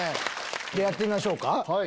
じゃあやってみましょうか。